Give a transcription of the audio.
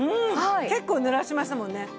結構ぬらしましたもんね。